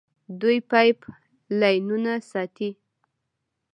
دوی پایپ لاینونه ساتي.